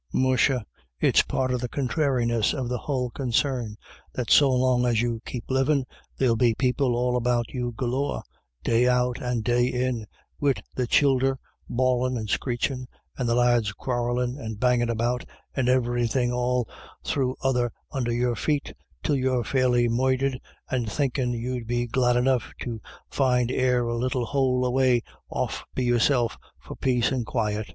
Musha, it's part of the contrariness of the whole consarn, that so long as you keep livin' there'll be people all about you galore, day out and day in, wid the childer bawlin' and screechin', and the lads quarrelin' and bangin' about, and iverythin' all thro* other under your feet, till you're fairly moidhered, and thinkin' you'd be glad enough to find e'er a little hole away off be yourself for paice and quiet.